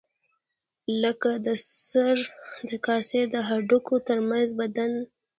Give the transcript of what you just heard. لکه د سر د کاسې د هډوکو تر منځ بند دی.